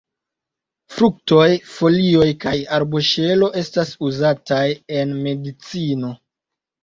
Fruktoj, folioj kaj arboŝelo estas uzataj en medicino.